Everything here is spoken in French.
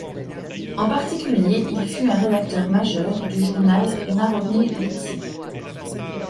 En particulier il fut un rédacteur majeur du journal Národní listy.